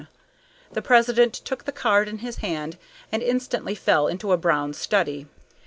The president took the card in his hand and instantly fell into a brown study.